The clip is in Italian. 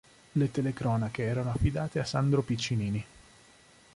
Le telecronache erano affidate a Sandro Piccinini.